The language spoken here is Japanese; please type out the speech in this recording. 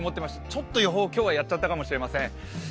ちょっと予報、今日はやっちゃったかもしれません。